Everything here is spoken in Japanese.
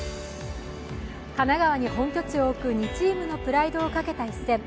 神奈川に本拠地を置く２チームのプライドをかけた一戦。